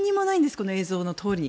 この映像のとおりに。